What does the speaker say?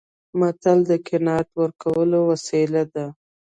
متل د قناعت ورکولو وسیله ده